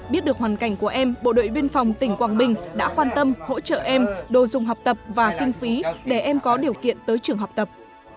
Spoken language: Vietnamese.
biết được hoàn cảnh của em bộ đội biên phòng tỉnh quảng bình đã quan tâm hỗ trợ em đồ dùng học tập và kinh phí để em có điều kiện tới trường học tập